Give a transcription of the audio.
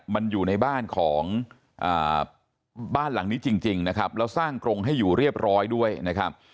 มันอยู่ในบ้านของบ้านหลังนี้จริงนะครับแล้วสร้างกรงให้อยู่เรียบร้อยด้วยนะครับ